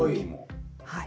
はい。